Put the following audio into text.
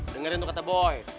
dengarin tuh kata boy